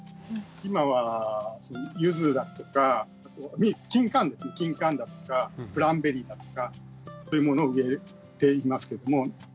今はユズだとかキンカンだとかグランベリーだとかそういうものを植えていますけども。